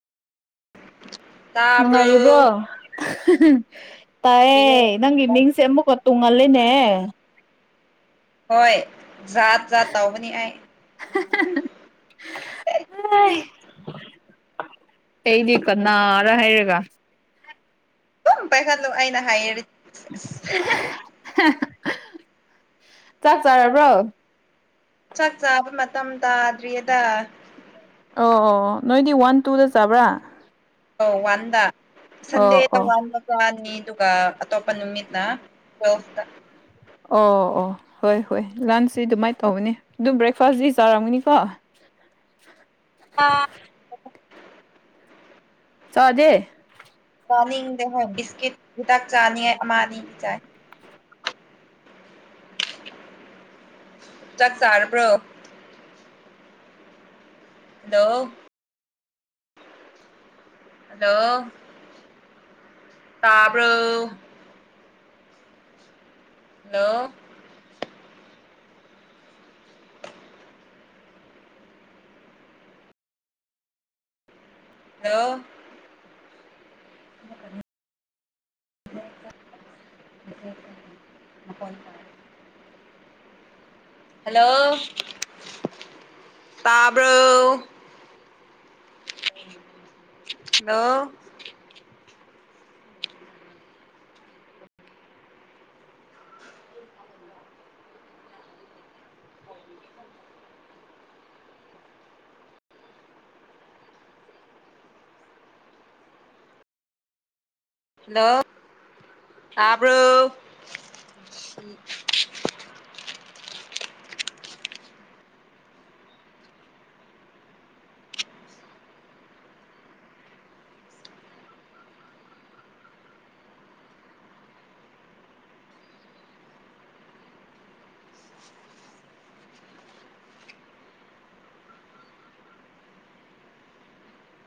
ꯅꯨꯡꯉꯥꯏꯔꯤꯕ꯭ꯔꯣ ꯇꯥꯕ꯭ꯔꯣ ꯇꯥꯏꯌꯦꯦ ꯄꯤꯌꯣ ꯅꯪꯒꯤ ꯃꯤꯡꯁꯦ ꯑꯃꯨꯛꯀ ꯇꯨꯡ ꯃꯂꯦꯅꯦ ꯍꯣꯏ ꯆꯠ ꯇꯧꯕꯅꯤ ꯍꯥꯏ [unintelligible] ꯑꯩꯩꯗꯤ ꯀꯅꯥꯔ ꯍꯥꯏꯔꯒ ꯎ ꯄꯥꯏꯈꯠꯂꯣ ꯑꯩꯅ ꯍꯥꯏꯌꯦ ꯆꯥꯛ ꯆꯥꯔꯕ꯭ꯔꯣ ꯆꯥꯛ ꯆꯥꯕ ꯃꯇꯝ ꯇꯥꯗ꯭ꯔꯤꯌꯦꯗ ꯑꯣ ꯑꯣ ꯅꯣꯏꯗꯤ ꯋꯥꯟ ꯇꯨꯗ ꯆꯥꯕ꯭ꯔꯥ ꯑ ꯋꯥꯟꯗ ꯑꯣ ꯁꯟꯗꯦꯗ ꯑꯣ ꯋꯥꯟꯕꯀꯅꯤ ꯑꯗꯨꯒ ꯑꯇꯣꯞꯄ ꯅꯨꯃꯤꯠꯅ ꯇꯨꯋꯦꯜꯐꯇ ꯑꯣ ꯑꯣ ꯍꯣꯏ ꯍꯣꯏ ꯂꯟꯁꯁꯤ ꯑꯗꯨꯃꯥꯏꯅ ꯇꯧꯕꯅꯤ ꯑꯗꯨꯝ ꯕ꯭ꯔꯦꯛꯐꯥꯁꯁꯤ ꯆꯥꯔꯝꯒꯅꯤꯀꯣ ꯑꯥ ꯆꯖꯦ ꯆꯥꯅꯤꯡꯗꯦ ꯍꯣꯏ ꯕꯤꯁꯀꯤꯠ ꯍꯤꯗꯥꯛ ꯆꯥꯅꯤꯡ ꯑꯃꯅꯤ ꯆꯥꯏ ꯆꯥꯛ ꯆꯔꯄꯣ ꯍꯂꯣ ꯍꯂꯣ ꯇꯥꯕ꯭ꯔꯣ ꯍꯜꯂꯣ ꯍꯦꯜꯂ [unintelligible] ꯣꯟ ꯇ ꯍꯜꯂꯣ ꯇꯥꯕ꯭ꯔꯣ ꯍꯜꯂꯣ ꯍꯜꯂꯣ ꯇꯥꯕ꯭ꯔꯣ [unintelligible]